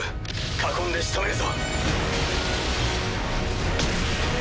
囲んでしとめるぞ。